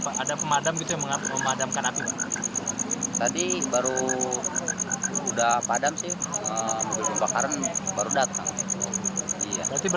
berapa lama patah di kebakaran ini